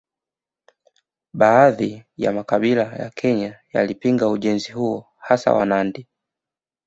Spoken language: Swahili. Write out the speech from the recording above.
Baadhi ya makabila ya Kenya yalipinga ujenzi huo hasa Wanandi